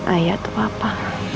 ayah atau papa